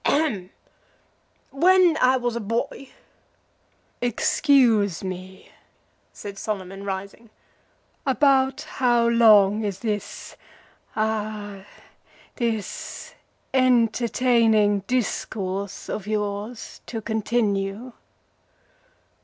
Ahem! When I was a boy " "Excuse me," said Solomon, rising; "about how long is this ah this entertaining discourse of yours to continue?"